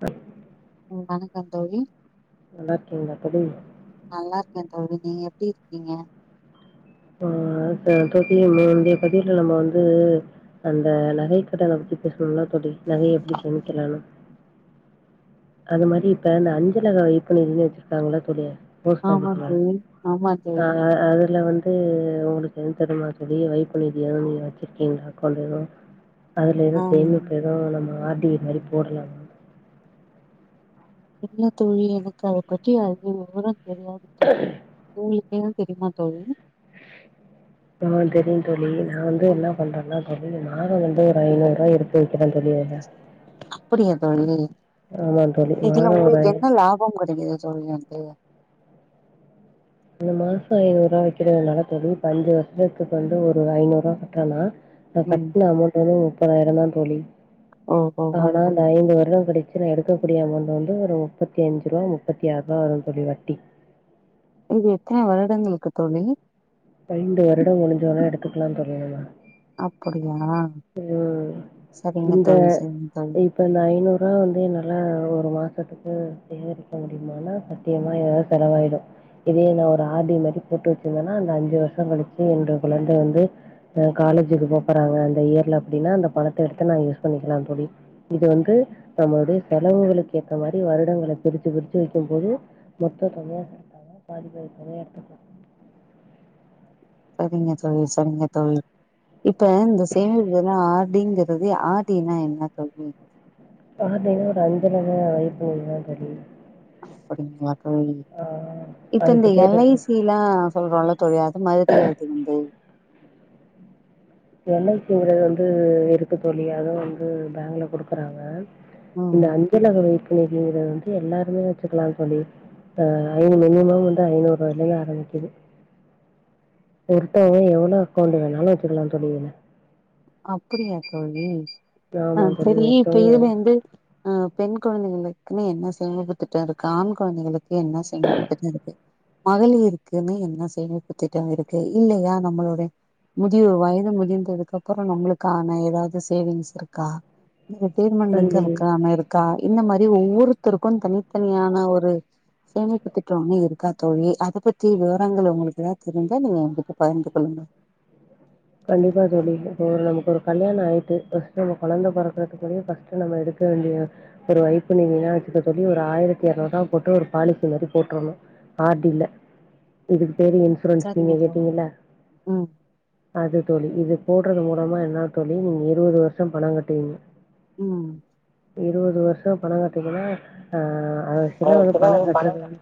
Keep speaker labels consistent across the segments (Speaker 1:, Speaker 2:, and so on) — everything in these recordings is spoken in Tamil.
Speaker 1: த
Speaker 2: வணக்கம் தோழி
Speaker 1: நல்லார்கிங்ளா தோழி
Speaker 2: நல்லா இருக்கே தோழி நீங்க எப்டி இருக்கீங்க
Speaker 1: ஆ ஆ தோழி முந்தைய பதிவுல நம்ம வந்து அந்த நகை கடன பத்தி பேசுனால்ல தோழி நகைய எப்டி சேமிக்கலானு அது மாரி இப்ப இந்த அஞ்சலக வைப்புநிதின்னு வச்சிருக்காங்களா தோழி போஸ்ட்
Speaker 2: ஆமாந்
Speaker 1: ஆபீஸ்ல
Speaker 2: தோழி ஆமா
Speaker 1: ஆ
Speaker 2: தோழி
Speaker 1: ஆ அதுல வந்து வ உங்களுக்கு எது தெரியுமா தோழி வைப்பு நிதிய எதுவு நீங்க வச்சிருக்கீங்களா அகவுண்ட் எதுவு அதுல எது
Speaker 2: ஆ
Speaker 1: சேமிப்பு எது நம்ம ஆர் டி மாரி போடலா
Speaker 2: இல்ல தோழி எனக்கு அத பத்தி அதிக வெவரோ தெரியாது தோழி உங்களுக் எதும் தெரியுமா தோழி
Speaker 1: ஆ தெரியு தோழி நா வந்து
Speaker 2: ம்
Speaker 1: என்னாப் பண்றன்னா [unintelligible] மாதோ வந்து ஒரு ஐநூறு ரூவாய எடுத்து வைக்கிறே தோழி ஆனா
Speaker 2: அப்டியா தோழி
Speaker 1: ஆமா தோழி
Speaker 2: இதுல
Speaker 1: மாதம் ஒரு
Speaker 2: உங்களுக்கு
Speaker 1: ஐ
Speaker 2: என்ன லாபம் கெடைக்குது தோழி வந்து
Speaker 1: இந்த மாசோ ஐநூறுவா வக்கிறனால தோழி இப்ப அஞ்சு வருஷத்துக்கு வந்து ஒரு ஐநூறுவா கட்றனா நா
Speaker 2: ம்
Speaker 1: கட்டுன அமௌண்ட் வந்து முப்பதாயிரந்தா தோழி
Speaker 2: ஓஹோ
Speaker 1: நா அந்த ஐந்து வருடம் கழிச்சு நா எடுக்கக்கூடிய அமௌண்ட் வந்து ஒரு முப்பத்தஞ்சுருவா முப்பத்தாருவா வரு தோழி வட்டி
Speaker 2: இது எத்தனை வருடங்களுக்கு தோழி
Speaker 1: ஐந்து வருடம் முடிஞ்சவுடனே எடுத்துக்கலா தோழி நம்ம
Speaker 2: அப்டியா
Speaker 1: ம் இந்த
Speaker 2: சரிங்க தோழி
Speaker 1: இப் இப்போ இந்த ஐநூறுரூவா வந்து என்னாலா ஒரு மாசத்துக்கு சேகரிக்க முடியுமானா தியமா எதாவது செலவாயிடு இதே நா ஒரு ஆர் டி மாரி போட்டு வச்சிருந்தேன்னா அந்த அஞ்சு வருஷம் கழிச்சு என்னுட குழந்தை வந்து அ காலேஜுக்கு போகப்போறக அந்த இயர்ல அப்டினா அந்த பணத்தை எடுத்து நா யூஸ் பண்ணிக்கலா தோழி இது வந்து நம்மளுடைய செலவுகளுக்கு ஏத்த மாரி வருடங்களை பிரிச்சு பிரிச்சு வெக்கும் போது மொத்தம் தொகையா எடுக்காமா பாதிப் பாதி தொகையா எடுத்துகளா
Speaker 2: சரிங்க தோழி சரிங்க தோழி இப்ப இந்த சேமிப்புல ஆர் டிங்கறது ஆர் டினா என்ன தோழி
Speaker 1: ஆர் டின்னா ஒரு அஞ்சலக வைப்பு நிதிதா தோழி
Speaker 2: அப்டிங்களா தோழி
Speaker 1: ஆ
Speaker 2: இப்ப இந்த
Speaker 1: அதுக்கு
Speaker 2: எல் ஐ
Speaker 1: பேரு
Speaker 2: சி எல்லா சொல்றோல்ல தோழி அது மாரியா இது இந்த
Speaker 1: எல் ஐ சிங்கிறது வந்து இருக்கு தோழி அதுவு வந்து பேங்க்ல குடுக்குறாங்க
Speaker 2: ம்
Speaker 1: இந்த அஞ்சலக வைப்பு நிதிங்கறது வந்து எல்லாருமே வச்சுக்கலான் தோழி ஆ ஐ மினிமம் வந்து ஐநூறு ரூவாயில இருந்து ஆரம்பிக்குது ஒருத்தவங்க எவ்ளோ அக்கௌன்ட் வேணாலு வச்சிடக்கலா தோழி இதுல
Speaker 2: அப்டியா தோழி ஆ
Speaker 1: ஆமா தோழி.
Speaker 2: செரி இப்ப
Speaker 1: ஒருத்தவங்க எவ்வளோ
Speaker 2: இதுலருந்து ஆ பெண் கொழந்தைகளுக்குன்னே என்ன சேமிப்பு திட்ட இருக்கு ஆண் கொழந்தைகளுக் கு என்ன செமிப்பு திட்ட இருக்கு மகளிருக்குன்னு என்ன சேமிப்பு திட்டம் இருக்கு இல்லையா நம்மளுடைய முதியோ வயது முதிந்ததுக்கு அப்புறோ நம்மளுக்கான ஏதாவது சேவிங்ஸ் இருக்கா இந்த
Speaker 1: கண்டி
Speaker 2: ரிட்டேர்மெண்ட்க்களுக்கு அமையறது க்கா இந்த மாரி ஒவ்வொருத்தருக்கு தனித்தனியான ஒரு சேமிப்பு திட்டோ ஒன்னு இருக்கா தோழி அதை பத்தி விவரங்கள் உங்களுக்கு எதாவ தெரிஞ்சா நீங்க எங்கிட்ட பகிர்ந்து கொள்ளுங்க
Speaker 1: கண்டிப்பா தோழி இப்போ நமக்கு ஒரு கல்யண ஆயிட்டு பஸ்ட் நம்ம கொழந்தை பொறக்கறதுக்கூடியு பஸ் டு நம்ம எடுக்க வேண்டிய ஒரு வைப்பு நிதினா வச்சுக்க தோழி ஒரு ஆயிரத்தி எரநூறுபா போட்டு ஒரு பாலிசி மாரி போட்டுருணு ஆர் சில இதுக்கு பேரு இன்சூரன்ஸ்
Speaker 2: சரிங்க
Speaker 1: நீங்க
Speaker 2: தோழி
Speaker 1: கேட்டீங்கல்ல
Speaker 2: ம்
Speaker 1: அது தோழி இது போடறது மூலமா என்ன தோழி நீங்க இருபது வருஷொ பண கட்டுவீங்க
Speaker 2: ம்
Speaker 1: இருவது வருஷோ பணோ கட்றதுன்னா அ ஆக்சுவலா வந்து பணோ கட்டுறது வந்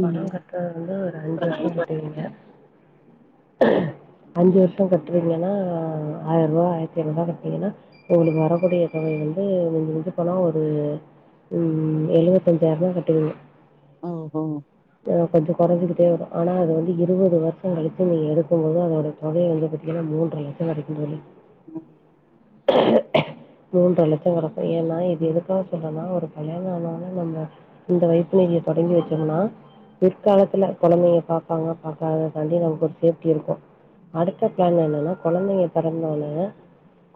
Speaker 2: ம்
Speaker 1: பணோ கட்றது வந்து ஒரு அஞ்சு வருசோ கட்டுவீங்க அஞ்சு வர்ஷோ கட்டுறீங்கன்னா ஆயிர் ரூவா ஆயிரத்தி ஐநூறு ரூபா கட்றிங்கன்னா உங்களுக்கு வரக்கூடிய தொகை வந்து மிஞ்சி மஞ்சி போனா ஒரு ம் எழுவத்தஞ்சாயிர ரூபா கட்டுவிங்க
Speaker 2: ஒ ஓ
Speaker 1: அ கொஞ்சோ குறைஞ்சிகிட்டே வரு ஆனா அது வந்து இருவது வருஷோ கழிச்சி நீங்க எடுக்கும் போது அத அந்தத் தொகையே வந்து பாத்தீங்கன்னா மூனறரை லட்சோ கடைக்கு தோழி
Speaker 2: ம்
Speaker 1: மூன்றரை லட்சோ கடைக்கு ஏன்னா இது எதுக்காக சொல்றேனா ஒரு கல்யாணோ ஆனாலு நம்ம இந்த வைப்பு நிதிய தொடங்கி வெச்சம்னா பிற்காலத்துல கொழந்தைங்க பாப்பாங்க பாக்காத தாண்டி நமக்கு ஒரு சேஃப்டி இருக்கு அடுத்த பிளான் என்னன்னா கொழந்தைங்க பெறந்த ஒட்னே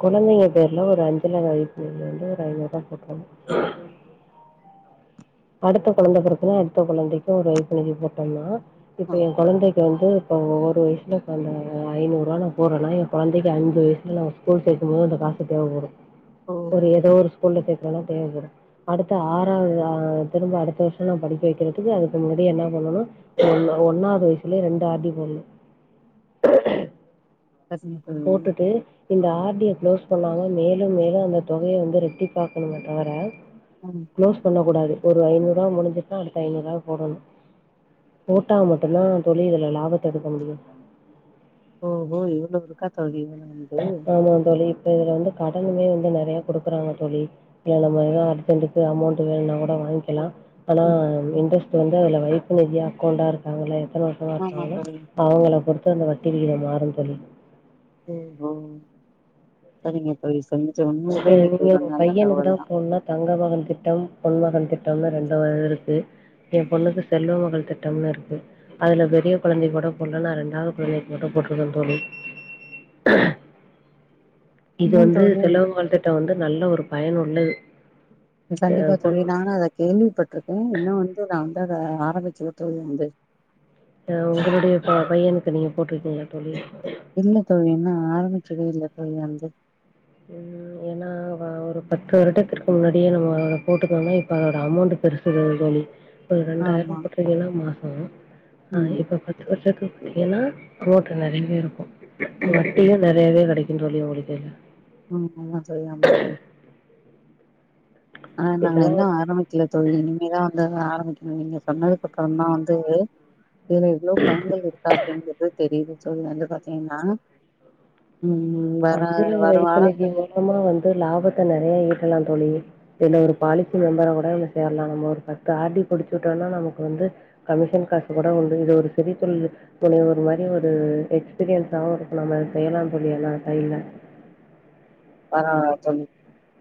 Speaker 1: கொழந்தைங்க பேர்ல ஒரு அஞ்சலக வைப்பு நிதியில வந்து ஒரு ஐநூறு ரூபா போட்றுனு அடுத்த கொழந்த பொறக்கல அடுத்த கொழந்தைக்கு ஒரு வைப்பு நிதி போட்டோம்னா இப்போ
Speaker 2: ஓ
Speaker 1: எயா கொழந்தைக்கு வந்து இப்போ ஒரு வயசுல அந்த ஐநூறுவா நா போட்றன்னா என் கொழந்தைக்கு அஞ்சு வயசுல நா ஸ்கூல் சேக்கும்போது அந்த காசு தேவைப்படு ஒரு
Speaker 2: ஓஹோ
Speaker 1: ஏதோ ஒரு ஸ்கூல்ல சேக்றோன்னா தேவப்படு அடுத்த ஆறாவது அ திரும்ப அடுத்த வருஷோ நா படிக்க வெக்கிறதுக்கு அதுக்கு முன்னாடி என்ன பண்ணனு ஒ ஒன்னாவது வயசுலயே ரெண்டு ஆர் டி போட்னு
Speaker 2: சரிங்க தோழி
Speaker 1: போட்டுட்டு இந்த ஆர் டி ய க்ளோஸ் பண்ணாம மேலும் மேலு அந்த தொகையைவந்து ரெட்டி பாக்கணுமே தவர
Speaker 2: ம்
Speaker 1: க்ளோஸ் பண்ண கூடாது ஒரு ஐநூறு ரூபா முடிஞ்சிட்டா அடுத்த ஐநூறு ரூபா போடணு போட்டா மட்டுதா தோழி இதுல லாபத்த எடுக்க முடியு
Speaker 2: ஒ ஓ இவ்ளோ இருக்கா தோழி இதுல வந்து
Speaker 1: ஆமா தோழி இப்ப இதுல வந்து கடனுமே வந்து நறைய குடுக்குறாங்க தோழி இது நம்மயா அர்ஜென்ட்க்கு அமௌண்ட் வேணும்னா கூட வாங்கிலா ஆனா
Speaker 2: ம்
Speaker 1: இன்ட்ரெஸ்ட் வந்து அதுல வைப்பு நிதியா அக்கௌண்டா இருக்காங்கள்ல எத்தன வருஷமா
Speaker 2: ஆமா
Speaker 1: இருக்காங்களோ
Speaker 2: தோழி
Speaker 1: அவங்கள பொறுத்து அந்த வட்டி விகிதம் மாறும் தோழி
Speaker 2: ஒ ஓ சரிங்க தோழி சந்திச்சது
Speaker 1: அ
Speaker 2: உண்மைலே இன்னைக்கு
Speaker 1: நீங்க
Speaker 2: ஒரு
Speaker 1: உங்க
Speaker 2: நல்ல
Speaker 1: பையனுக்கு
Speaker 2: தகவல் தா
Speaker 1: போணுன்னா தங்க மகன் திட்டம் பொன்மகன் திட்டம்னு ரெண்டு வக இருக்கு எயா பொண்ணுக்கு செல்வ மகள் திட்டம்னு இருக்கு அதுல பெரிய கொழந்தைக்கு கூட போட்லா நா ரெண்டாவது கொழந்தைக்கு கூட போட்டிருக்கே தோழி இது
Speaker 2: ஏன்
Speaker 1: வந்து
Speaker 2: தோழி
Speaker 1: செல்வமகள் திட்டம் வந்து நல்ல ஒரு பயன் உள்ளது
Speaker 2: கண்டிப்பா தோழி நானு அத கேள்விப்பட்டிருக்கே இன்னு வந்து நா வந்து அத ஆரம்பிக்கல தோழி வந்து
Speaker 1: உங்களுடைய பையனுக்கு நீங்க போட்டிருக்கிங்லா தோழி
Speaker 2: இல்ல தோழி இன்னு ஆரம்பிக்கவே இல்ல தோழி வந்து
Speaker 1: ம் ஏன்னா அவை ஒரு பத்து வருடத்திற்கு முன்னாடியே நம்ம போட்டுடோம்னா இப்ப அதோட அமௌண்ட் பெருசு தோழி இப்ப ஒரு ரெண்டாயிரம்
Speaker 2: ஆமா
Speaker 1: போட்டிங்கன்னா மாசோம் ஆ
Speaker 2: ம்
Speaker 1: இப்ப இப்ப சேத்துவுட்டிங்கன்னா அமௌண்ட் நறைய இருக்கு
Speaker 2: ம்
Speaker 1: வட்டியு நறையவே கெடைக்கு இது வழியா ஓடி போயிட்றா
Speaker 2: ம் ஆமா தோழி ஆமா தோழி ஆ நாங்க இன்னு
Speaker 1: இதெல்லா
Speaker 2: ஆரம்பிக்கல தோழி இனிமேதா வந்து ஆரம்பிக்கணு நீங்க சொன்னதுக்குப்புறம்தா வந்து இதுல எவ்ளோ பயன்கள் இருக்கா அப்டிங்றது தெரியுது தோழி வந்து பாத்தீங்கன்னா ம் ம் வர வர வாரம்தேரியு
Speaker 1: சும்மா வந்து லாபத்த நெறைய ஈட்டலாம் தோழி இல்ல ஒரு பாலிசி மெம்பரா கூட சேர்லாம் நம்ம ஒரு பத்து ஆர் டி புடிச்சு விட்டோம்னா நமக்கு வந்து கமிஷன் காசு கூட உண்டு இது ஒரு சுய தொழில் போனே ஒரு மாரி ஒரு எக்ஸ்பீரியன்ஸாவு இருக்கலாம் நம்ம செய்யலாம் தோழி எல்லா கைல
Speaker 2: அ சொல்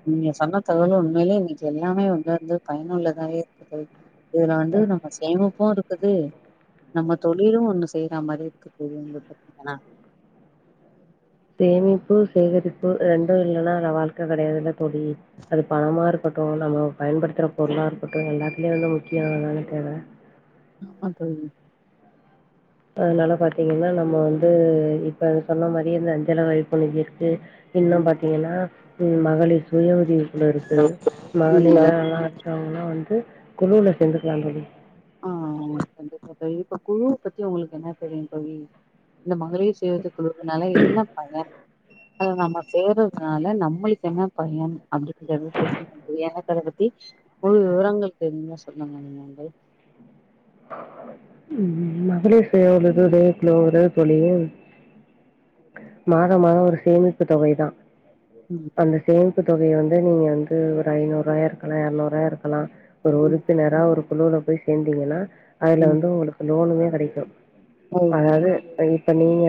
Speaker 2: நீங்க சொன்ன தகவல் உண்மையிலே இன்னிக்கு எல்லாமே இங்க வந்து பயனுள்ளதாவே இருக்கு இதுல வந்து நம்ம சேமிப்பு இருக் க்குது நம்ம தொழிலு ஒண்ணு செய்யற மாரி இருக்குது [unintelligible]
Speaker 1: சேமிப்பு சேகரிப்பு ரெண்டு இல்லன்னா அந்த வாழ்க்க கெடையாதுல்ல தோழி அது பணமா இருக்கட்டு நம்ம பயன்படுத்துற பொருளா இருக்கட்டு எல்லாத்துலேயே வந்து முக்கியமா அதான தேவ
Speaker 2: ஆமா தோழி
Speaker 1: அதனால பாத்தீங்கன்னா நம்ம வந்து இப்ப சொன்ன மாரியே இந்த அஞ்சல வைப்பு நிதி இருக்கு இன்னு
Speaker 2: ம்
Speaker 1: பாத்தீங்கன்னா மகளிர் சுய உதவிக்குழு இருக்கு
Speaker 2: ம்
Speaker 1: மகளிரா இருக்கவங்க எல்லா வந்து குழுவில சேந்துக்கலா தோழி
Speaker 2: அ கண்டிப்பா தோழி இப்ப குழுவ பத்தி உங்களுக்கு என்ன தெரியு தோழி இந்த மகளிர் சுய உதவி குழுக்களால என்ன பயன் அதுல நம்ம சேர்றதுனால நம்மளுக்கு என்ன பயன் அப்டின்றது தெரி எனக்கு அத பத்தி முழு விவரங்களுக்கு தெரிஞ்சா சொல்லுங்க
Speaker 1: ம் மகளிர் சுய உதவி [unintelligible] தோழி மாத மாதம் ஒரு சேமிப்பு தொகைதா
Speaker 2: ம்
Speaker 1: அந்த சேமிப்பு தொகையை வந்து நீங்க வந்து ஒரு ஐநூறு ரூவாயா இருக்கலா எரநூறு ரூவாயா இருக்கலா ஒரு
Speaker 2: ம்
Speaker 1: உறுப்பினரா ஒரு குழுல போய் சேந்தீங்கன்னா அதுல
Speaker 2: ம்
Speaker 1: வந்து உங்களுக்கு லோனுமே கெடைக்கு
Speaker 2: ஓகே
Speaker 1: அதாது இப்ப நீங்க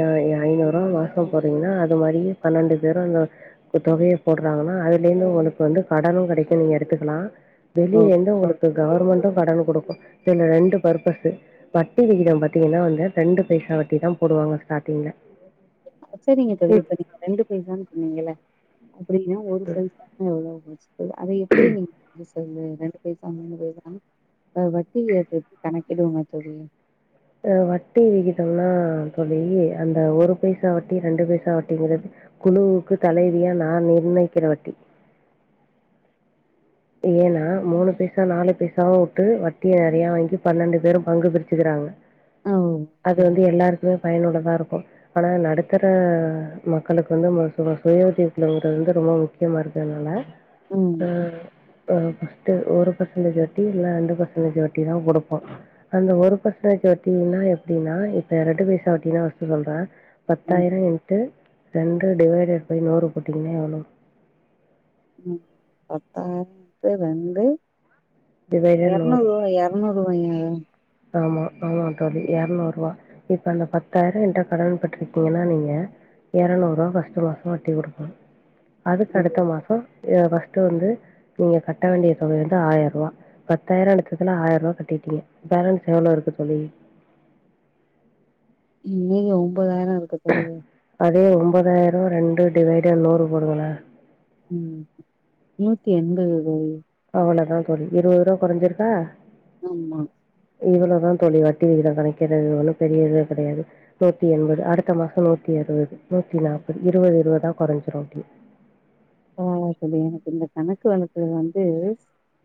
Speaker 1: ஐநூறு ரூவா மாச போட்றீங்கன்னா அது மாரி பன்னெண்டு பேரு அந்த தொகைய போட்றாங்கன்னா அதுல இருந்து உங்களுக்கு வந்து கடனு கெடைக்கு நீங்க எடுத்துக்கலா
Speaker 2: ஓ
Speaker 1: வெளிய இருந்து உங்களுக்கு கவர்மெண்ட்டு கடன் குடுக்கு சில ரெண்டு பர்பஸ்சு வட்டி விகிதம் பாத்திங்கன்னா வந்து ரெண்டு பைசா வட்டி தா போடுவாங்க ஸ்டார்ட்டிங்கில்ல
Speaker 2: செரிங்க தோழி இப்ப நீங்க ரெண்டு பைசானு சொன்னீங்கல அப்டின்னா ஒரு பைசானா எவ்ளோ அத எப்டி நீங்க சொல்ல ரெண்டு பைசா மூணு பைசான் வட்டி எப்டி கணக்கிடுவாங்க தோழி
Speaker 1: வட்டி விகிதம்னா‌ தோழி அந்த ஒரு பைசா வட்டி ரெண்டு பைசா வட்டிங்கிறது குழுவுக்கு தலைவியா நா நிர்ணயிக்கிற வட்டி ஏன்னா மூணு பைசா நாலு பைசாவு விட்டு வட்டிய நெறையா வாங்கி பன்னெண்டு பேரு பங்கு பிரிச்சுக்கிறாங்க
Speaker 2: ஆ
Speaker 1: அது வந்து எல்லாருக்குமே பயனுள்ளதா இருக்கு ஆனா நடுத்தர மக்களுக்கு வந்து சுய உதவிக்குழு வந்து ரொம்ப முக்கிய முக்கியமானதுனால
Speaker 2: ம்
Speaker 1: அ ஒரு பர்சன்டேஜ் வட்டி இல்ல ரெண்டு பர்சன்டேஜ் வட்டி தா குடுப்போ அந்த ஒரு பர்சட்டேஜ் வட்டின்னா எப்டின்னா இப்ப இரண்டு பைசா வட்டினா ஃபஸ்ட் சொல்றே
Speaker 2: ம்
Speaker 1: பத்தாயிரோ இன்ட்டு ரெண்டு டிவைடேட் பை நூறு போட்டிங்கன்னா எவ்ளோ
Speaker 2: ம் பத்தாயிரோ இன்ட்டு ரெண்டு
Speaker 1: டிவைடட்
Speaker 2: எரநூறு ரூவாயா முண்ணூறு ரூவாயா
Speaker 1: ஆமா ஆமா தோழி எரநூறு ரூவா இப்ப அந்த பத்தாயிரோ என்கிட்ட கடன் பட்டிருக்கீங்கன்னா நீங்க எரநூறு ரூவா ஃபர்ஸ்ட் மாசோ வட்டி குடுக்கனு அதுக்கு அடுத்த மாசோ ஃபஸ்ட்டு வந்து நீங்க கட்ட வேண்டிய தொக வந்து ஆயிர ரூவா பத்தாயிரோ எடுத்ததுல ஆயிர ரூவா கட்டிட்டீங்க பேலன்ஸ் எவ்ளோ இருக்கு தோழி
Speaker 2: மீதி ஒன்பதாயிரோ இருக்கு தோழி
Speaker 1: அதே ஒன்பதாயிரோ ரெண்டு டிவைடேட் நூறு போடுங்களே
Speaker 2: ம் நூத்தி எண்பது தோழி
Speaker 1: அவ்ளோதா தோழி இருவது ரூவா கொறஞ்சிருக்கா
Speaker 2: ஆமா
Speaker 1: இவ்ளோதா தோழி வட்டி விகத கணக்கீடு இதுல ஒன்னு பெரிய இதுலா கெடையாது நூத்தி எண்பது அடுத்த மாசொ நூத்தி அறுவது நூத்தி நாப்பது இருவது இருவதா கொறைஞ்சிரு அப்டியே
Speaker 2: ஆ தோழி எனக்கு இந்த கணக்கு வழக்குகள் வந்து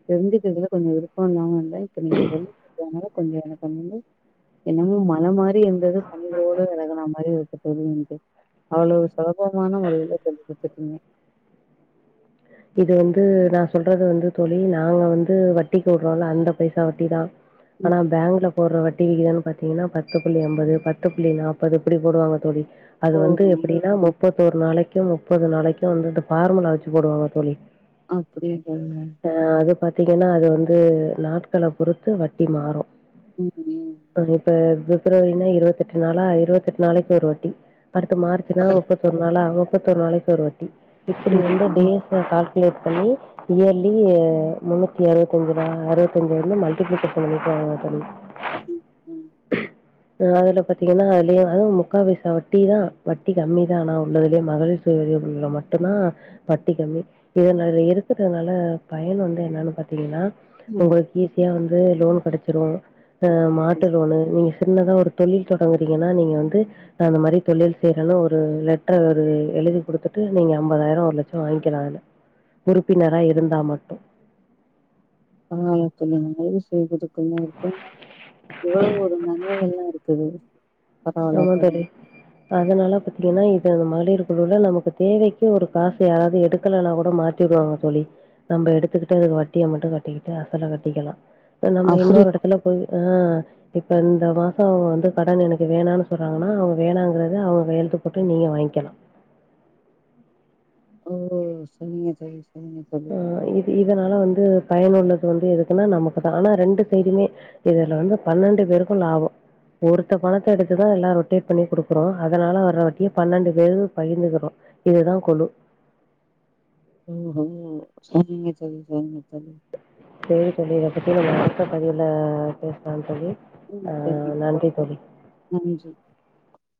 Speaker 2: தெரிஞ்சுக்கிறதுல கொஞ்சொ விருப்பொ இல்லாம இதோ இப்ப நீங்க சொல்லி குடுத்ததுனால கொஞ்சொ எனக்கு வந்து என்னமோ மல மாரி ரி இந்தது பனி போல வெலகுனா மாரி இருக்கு தோழி என்க்கு அவ்ளோ சுலபமான முறையில சொல்லி குடுத்துருக்கீங்க
Speaker 1: இது வந்து நா சொல்றது வந்து தோழி நாங்க வந்து வட்டிக்கு விடுறோல அந்த பைசா வட்டிதா ஆனா
Speaker 2: ம்
Speaker 1: பேங்க்ல போடுற வட்டிவிகிதம்னு பாத்தீங்ன்னா பத்து புள்ளி அம்பது பத்து புள்ளி நாப்பது இப்டி போடுவாங்க தோழி அது வந்து
Speaker 2: ஓஹோ
Speaker 1: எப்டின்னா முப்பத்தோர் நாளைக்கும் முப்பது நாளைக்கும் வந்து இந்த ஃபார்முலா வச்சு போடுவாங்க தோழி
Speaker 2: அப்டியே கேளுங்க
Speaker 1: அ அது பாத்தீங்கன்னா அது வந்து நாட்கள பொறுத்து வட்டி மாறு
Speaker 2: [unintelligible]
Speaker 1: அ இப்ப பிப்ரவரினா இருவத்தெட்டு நாளா இருவத்தெட்டு நாளைக்கு ஒரு வட்டி அடுத்து மார்ச்னா முப்பத் தோர் நாளா முப்பத்தோர் நாளைக்கு ஒரு வட்டி இப்டி
Speaker 2: ம்
Speaker 1: வந்து டேட்ஸ கால்குலேட் பண்ணி இயர்லி முன்னூத்தி அறுவத்தஞ்சு நா அறுபத்தஞ்ச வந்து மல்டிபிலிகேஷன் பண்ணிக்வாங்க தோழி
Speaker 2: ம் ம்
Speaker 1: அதுல பாத்தீங்கன்னா அதுலயு அதுவும் முக்கா பைசா வட்டிதா வட்டி கம்மிதா ஆனா உள்ளதுலே மகளிர் [unintelligible] மட்டுந்தா கட் டி கம்மி இதன இருக்கிறனால பயன் வந்து என்னான்னு பாத்தீங்கன்னா
Speaker 2: ம்
Speaker 1: உங்களுக் ஈஸியா வந்து லோன் கெடைச்சிரு அ
Speaker 2: ஆ சரி
Speaker 1: மாட்டு லோனு நீ சின்னதா ஒரு தொழில் தொடங்குறீங்கன்னா நீங்க வந்து நா அந்த மாரி தொழில் செய்யறேன்னு ஒரு லெட்டர் ஒரு எழுதி குடுத்துட்டு நீங்க அம்பதாயிரொ ஒரு லட் சோ வாங்கிக்கலா அதுல உறுப்பினரா இருந்தா மட்டு
Speaker 2: [unintelligible] தொழில் மாதிரி செய்குது [unintelligible] எவ்வளோ ஒரு நன்மைகள்லா இருக்குது
Speaker 1: ஆமா தோழி அதனால பாத்தீங்கன்னா இதது மகளிர் குழுவலா நமக்கு தேவைக்கு ஒரு காசு யாராவது எடுக்கலனா கூட மாத் திருவாங்க தோழி நம்ப எடுத்துக்கிட்டு அதுக்கு வட்டிய மட்டு கட்டிக்கிட்டு அசல கட்டிக்கலா நம்ம
Speaker 2: அப்படி
Speaker 1: இன்னொரு எடத்துல போய் ஆ இப்ப இந்த மாசொ வந்து கடன் எனக் கு வேணான்னு சொல்றாங்கன்னா அவங்க வேணாங்குறத அவங்க கையெழுத்து போட்டு நீங்க வாங்கிக்கலா
Speaker 2: ஓ சரிங்க தோழி சரிங்க தோழி
Speaker 1: ஆ இது இதனால வந்து பயனுள்ளது வந்து எதுக்குன்னா நமக்குதா ஆனா ரெண்டு சைடுமே இதுல வந்து பன்னெண்டு பேருக்கு லாபொ ஒருத்த பணத்த எடுத்துதா எல்லா ரொட்டேட் பண்ணி குடுக்குறோ அதனால வர வட்டிய பன்னெண்டு பேரு பகிர்ந்துக்கிறோ இதுதா கொழு
Speaker 2: ஓஹோ சரிங்க தோழி சரிங்க தோழி
Speaker 1: சரி தோழி இத பத்தி நாம அடுத்த பதிவுல பேசலாம் தோழி
Speaker 2: ம்
Speaker 1: ஆ
Speaker 2: சரிங்க
Speaker 1: நன்றி தோழி.
Speaker 2: நன்றி